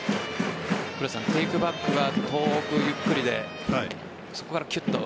テークバックが遠くゆっくりでそこからきゅっと。